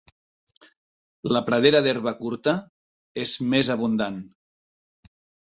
La pradera d'herba curta és més abundant.